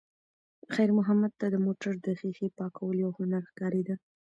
خیر محمد ته د موټر د ښیښې پاکول یو هنر ښکارېده.